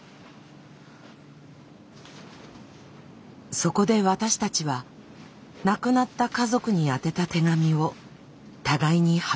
そこで私たちは亡くなった家族に宛てた手紙を互いに発表しました。